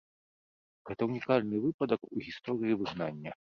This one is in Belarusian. Гэта унікальны выпадак у гісторыі выгнання.